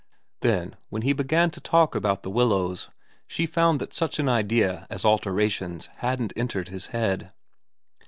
Then, when he began to talk about The Willows, she found that such an idea as alterations hadn't entered his head.